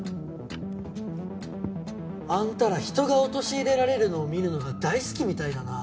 あんたら人が陥れられるのを見るのが大好きみたいだな。